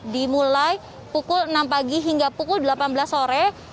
dimulai pukul enam pagi hingga pukul delapan belas sore